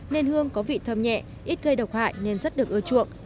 nên hương có vị thơm nhẹ ít gây độc hại nên rất được ưa chuộng